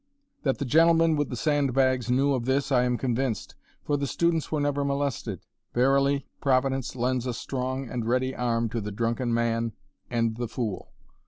That the gentlemen with the sand bags knew of this I am convinced, for the students were never molested. Verily, Providence lends a strong and ready arm to the drunken man and the fool!